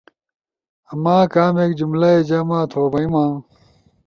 ما کامیک جملہ ئی جمع تھو بئی ما؟